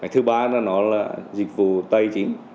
thứ ba là nó là dịch vụ tài chính